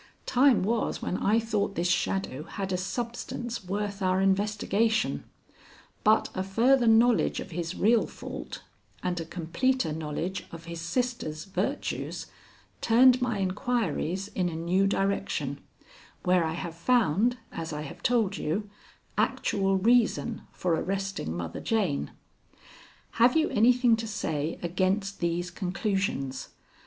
Time was when I thought this shadow had a substance worth our investigation, but a further knowledge of his real fault and a completer knowledge of his sisters' virtues turned my inquiries in a new direction, where I have found, as I have told you, actual reason for arresting Mother Jane. Have you anything to say against these conclusions?